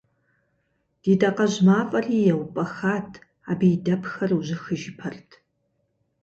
Ди дакъэжь мафӏэри еупӏэхат, абы и дэпхэр ужьыхыжыпэрт.